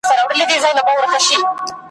له نیکه مي اورېدلی مناجات د پخوانیو ,